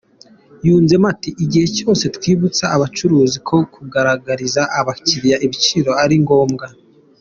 Yunzemo ati “igihe cyose twibutsa abacuruzi ko kugaragariza abakiriya ibiciro ari ngombwa.